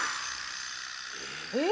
え？